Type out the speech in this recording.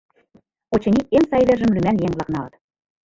Очыни, эн сай вержым лӱман еҥ-влак налыт.